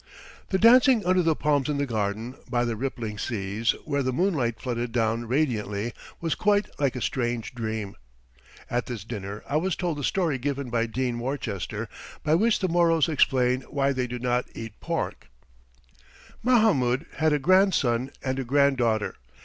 The dancing under the palms in the garden, by the rippling seas, where the moonlight flooded down radiantly, was quite like a strange dream. At this dinner I was told the story given by Dean Worcester by which the Moros explain why they do not eat pork: "Mahamoud had a grandson and a granddaughter....